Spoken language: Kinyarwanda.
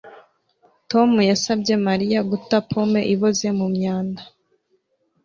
Tom yasabye Mariya guta pome iboze mu myanda